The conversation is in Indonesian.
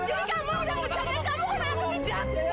jadi kamu udah bersyadik kamu sudah lagi menjatuhkan jody